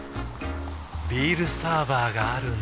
ビールサーバーがある夏。